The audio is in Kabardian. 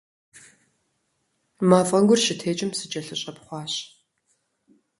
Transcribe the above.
Мафӏэгур щытекӏым, сыкӏэлъыщӏэпхъуащ.